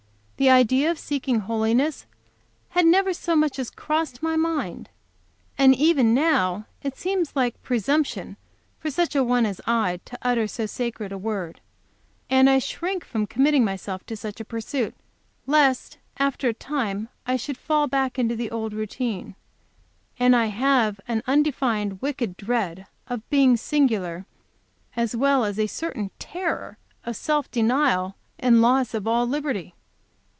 The idea of seeking holiness had never so much as crossed my mind. And even now it seems like presumption for such a one as I to utter so sacred a word. And I shrink from committing myself to such a pursuit, lest after a time I should fall back into the old routine. And I have an undefined, wicked dread of being singular, as well as a certain terror of self denial and loss of all liberty.